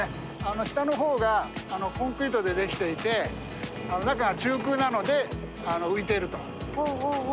下の方がコンクリートで出来ていて中が中空なので浮いているということになります。